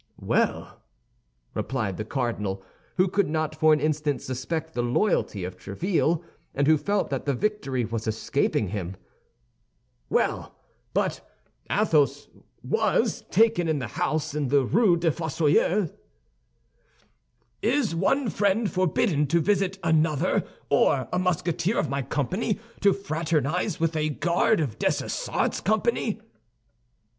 "Well," replied the cardinal, who could not for an instant suspect the loyalty of Tréville, and who felt that the victory was escaping him, "well, but Athos was taken in the house in the Rue des Fossoyeurs." "Is one friend forbidden to visit another, or a Musketeer of my company to fraternize with a Guard of Dessessart's company?"